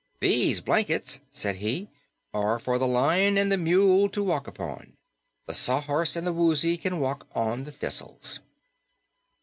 "These blankets," said he, "are for the Lion and the Mule to walk upon. The Sawhorse and the Woozy can walk on the thistles."